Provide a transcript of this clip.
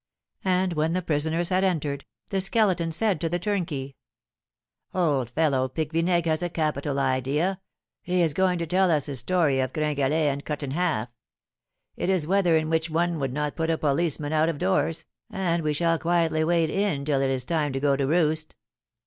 And when the prisoners had entered, the Skeleton said to the turnkey: "Old fellow, Pique Vinaigre has a capital idea; he is going to tell us his story of 'Gringalet and Cut in Half.' It is weather in which one would not put a policeman out of doors, and we shall quietly wait in till it is time to go to roost."